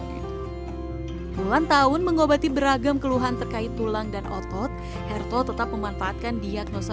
hai bulan tahun mengobati beragam keluhan terkait tulang dan otot herto tetap memanfaatkan diagnosa